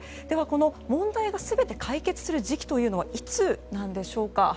では、問題が全て解決する時期というのはいつなんでしょうか。